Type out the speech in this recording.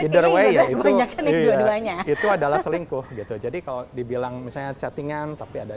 the way ya itu adalah selingkuh gitu jadi kalau dibilang cecetingan tapi ada